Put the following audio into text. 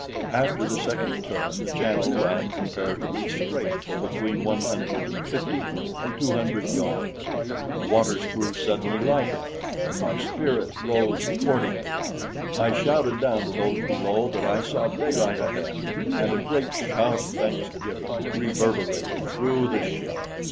After the second turn the channel ran comparatively straight for between one hundred and fifty and two hundred yards. The waters grew suddenly lighter, and my spirits rose accordingly. I shouted down to those below that I saw daylight ahead, and a great shout of thanksgiving reverberated through the ship.